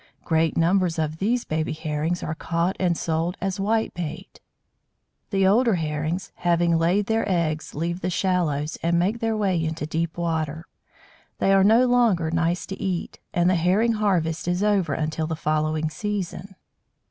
Great numbers of these baby Herrings are caught and sold as "Whitebait." The older Herrings, having laid their eggs, leave the shallows, and make their way into deep water. They are no longer nice to eat, and the Herring harvest is over until the following season.